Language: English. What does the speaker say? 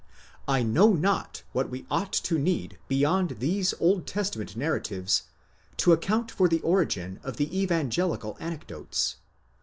I know not what we ought to need beyond these Old Testament narra tives to account for the origin of the evangelical anecdotes.